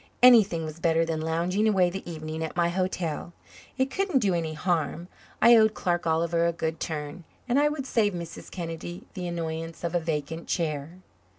Anything was better than lounging away the evening at my hotel. It couldn't do any harm. I owed Clark Oliver a good turn and I would save Mrs. Kennedy the annoyance of a vacant chair.